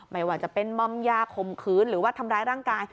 ไม่ว่าจะเป็นมอมยาข่มขืนหรือว่าทำร้ายร่างกาย